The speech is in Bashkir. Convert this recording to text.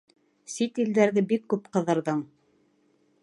— Сит илдәрҙе бик күп ҡыҙырҙың.